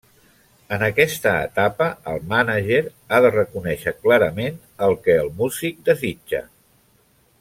En aquesta etapa, el mànager ha de reconèixer clarament el que el músic desitja.